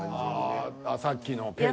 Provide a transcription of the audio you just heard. さっきのペンネの。